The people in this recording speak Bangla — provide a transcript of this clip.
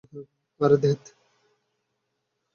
আরে, ধ্যাত!